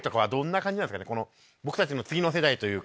僕たちの次の世代というか。